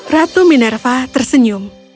ratu minerva tersenyum